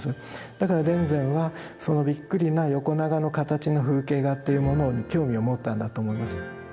だから田善はそのびっくりな横長な形の風景画っていうものに興味を持ったんだと思います。